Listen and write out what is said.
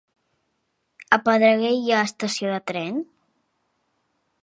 A Pedreguer hi ha estació de tren?